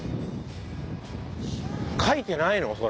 書いてないの？